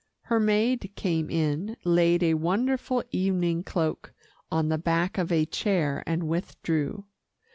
Her maid came in, laid a wonderful evening cloak on the back of a chair, and withdrew.